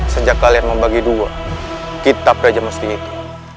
sejak kalian membagi dua kitab raja mesti itu